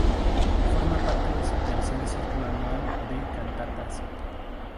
Forma parte de su tercer ciclo anual de cantatas.